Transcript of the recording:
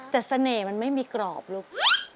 แต่เสน่ห์มันไม่มีกรอบลูก